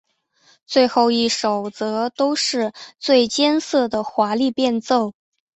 最后一首则都是最艰涩的华丽变奏。